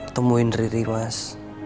temuin riri mas